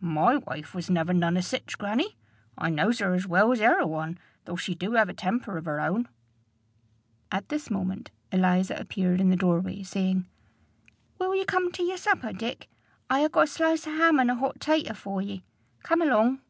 "My wife was never none o' sich, grannie. I knows her as well's e'er a one, though she do 'ave a temper of her own." At this moment Eliza appeared in the door way, saying, "Will ye come to yer supper, Dick? I ha' got a slice o' ham an' a hot tater for ye. Come along."